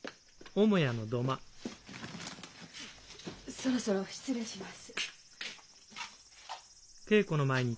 そろそろ失礼します。